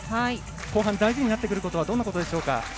後半、大事になってくるのはどんなことでしょうか。